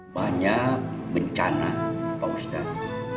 banyak bencana pak ustaz